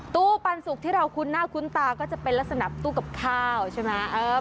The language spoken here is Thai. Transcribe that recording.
ตู้ปันสุกที่เราคุ้นหน้าคุ้นตาก็จะเป็นลักษณะตู้กับข้าวใช่ไหม